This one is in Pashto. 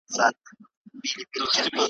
خر په پوه سو چي لېوه ووغولولی ,